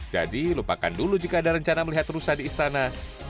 jadi lupakan dulu jika ada rencana melihat rusak di istana